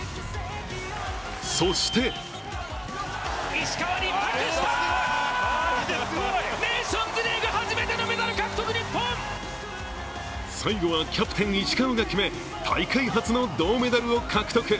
そして最後はキャプテン・石川が決め大会初の銅メダルを獲得。